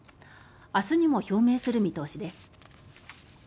明日にも表明する見通しです。